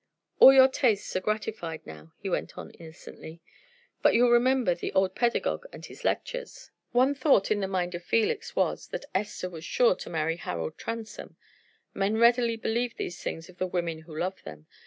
"All your tastes are gratified now," he went on innocently. "But you'll remember the old pedagogue and his lectures?" One thought in the mind of Felix was, that Esther was sure to marry Harold Transome. Men readily believe these things of the women who love them.